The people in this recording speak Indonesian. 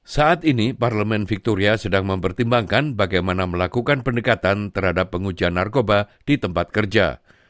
saat ini parlemen victoria sedang mempertimbangkan bagaimana melakukan pendekatan terhadap pengujian narkoba di tempat kerja